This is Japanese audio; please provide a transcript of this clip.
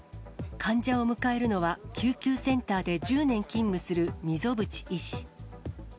患者を迎えるのは、救急センターで１０年勤務する溝渕医師。